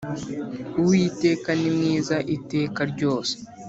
Uwiteka ni mwiza iteka ryose